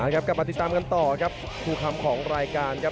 กลับมาติดตามกันต่อครับคู่คำของรายการครับ